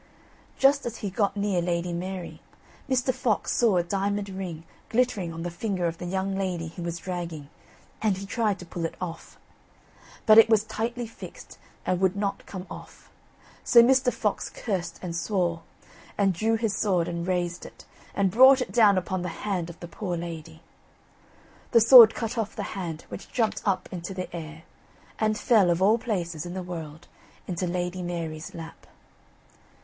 Just as he got near Lady Mary, Mr. Fox saw a diamond ring glittering on the finger of the young lady he was dragging, and he tried to pull it off. But it was tightly fixed, and would not come off, so Mr. Fox cursed and swore, and drew his sword, raised it, and brought it down upon the hand of the poor lady. The sword cut off the hand, which jumped up into the air, and fell of all places in the world into Lady Mary's lap.